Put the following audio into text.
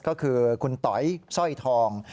ก็คือคุณต๋อยสร้อยทอง